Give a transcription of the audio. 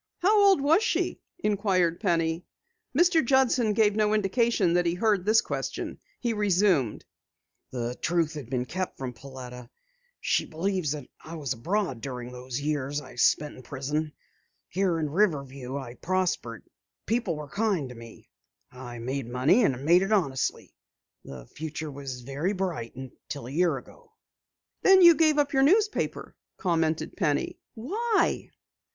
"How old was she?" inquired Penny. Mr. Judson gave no indication that he heard the question. He resumed: "The truth had been kept from Pauletta. She believes that I was abroad during those years I spent in prison. Here in Riverview I prospered, people were kind to me. I made money and made it honestly. The future was very bright until a year ago." "Then you gave up your newspaper," commented Penny. "Why?"